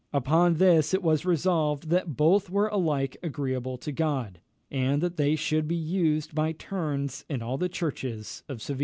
Upon this it was resolved, that both were alike agreeable to God, and that they should be used by turns in all the churches of Seville.